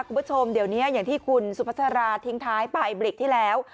คุณผู้ชมเดี๋ยวนี้อย่างที่คุณสุภาษาทิ้งท้ายไปเบรกที่แล้ว